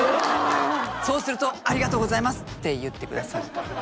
そうすると「ありがとうございます！」って言ってくださる。